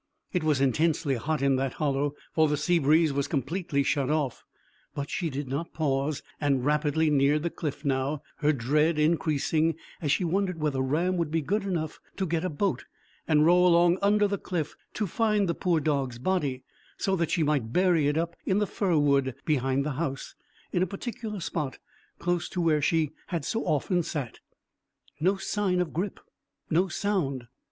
It was intensely hot in that hollow, for the sea breeze was completely shut off, but she did not pause, and rapidly neared the cliff now, her dread increasing, as she wondered whether Ram would be good enough to get a boat, and row along under the cliff to find the poor dog's body, so that she might bury it up in the fir wood behind the house, in a particular spot close to where she had so often sat. No sign of Grip: no sound.